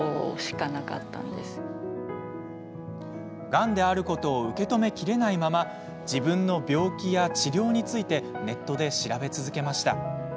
がんであることを受け止めきれないまま自分の病気や治療についてネットで調べ続けました。